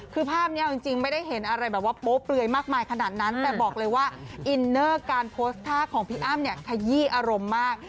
คือภาพนี้เอาจริงไม่ได้เห็นอะไรแบบว่าโป๊เปลือยมากมายขนาดนั้นแต่บอกเลยว่าอินเนอร์การโพสต์ท่าของพี่อ้ำเนี่ยขยี้อารมณ์มาก